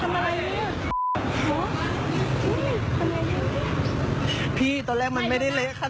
ดูคลิปกันก่อนนะครับแล้วเดี๋ยวมาเล่าให้ฟังนะครับ